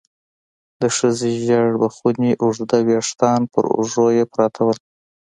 د ښځې ژېړ بخوني اوږده ويښتان پر اوږو يې پراته وو.